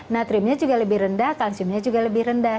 natriumnya juga lebih rendah kalsiumnya juga lebih rendah